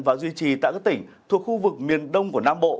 và duy trì tại các tỉnh thuộc khu vực miền đông của nam bộ